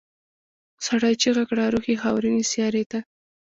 سړي چيغه کړه روح یې خاورینې سیارې ته.